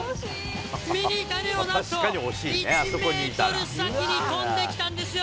ミニタニのなんと、１メートル先に飛んできたんですよ。